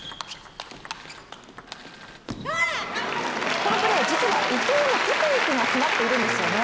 このプレー、実は伊藤のテクニックが詰まっているんですよね？